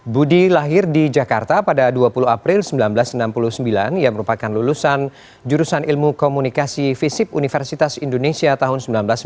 budi lahir di jakarta pada dua puluh april seribu sembilan ratus enam puluh sembilan yang merupakan lulusan jurusan ilmu komunikasi visip universitas indonesia tahun seribu sembilan ratus sembilan puluh